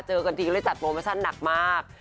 เจอกันทีก็เลยจัดโปรโมชั่นหนักมาก